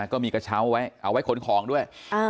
ก็มีกระเช้าไว้เอาไว้ขนของด้วย